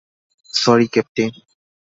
Sorry, captain.